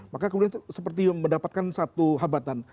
maka kemudian seperti mendapatkan satu habatan